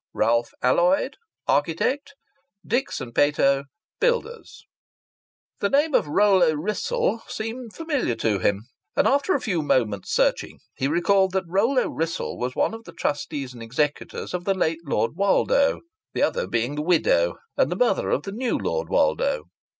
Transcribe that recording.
Ralph Alloyd: Architect. Dicks & Pato: Builders. The name of Rollo Wrissell seemed familiar to him, and after a few moments' searching he recalled that Rollo Wrissell was one of the trustees and executors of the late Lord Woldo, the other being the widow and the mother of the new Lord Woldo.